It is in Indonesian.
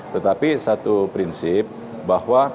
tetapi satu prinsip bahwa